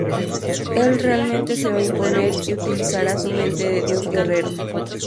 Él realmente se va a imponer y utilizará su mente de dios guerrero".